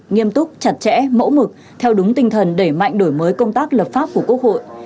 nghiêm túc chặt chẽ mẫu mực theo đúng tinh thần đẩy mạnh đổi mới công tác lập pháp của quốc hội